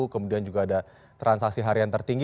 kemudian juga ada transaksi harian tertinggi